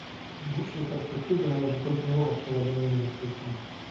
W dłuższej perspektywie należy kontynuować prowadzenie inwestycji